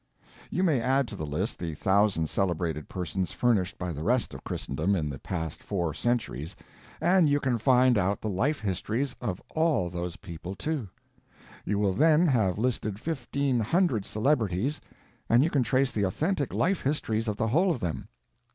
You may add to the list the thousand celebrated persons furnished by the rest of Christendom in the past four centuries, and you can find out the life histories of all those people, too. You will then have listed fifteen hundred celebrities, and you can trace the authentic life histories of the whole of them.